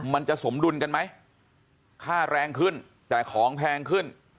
มันจะสมดุลกันไหมค่าแรงขึ้นแต่ของแพงขึ้น